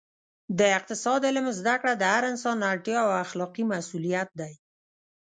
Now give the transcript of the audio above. د اقتصاد علم زده کړه د هر انسان اړتیا او اخلاقي مسوولیت دی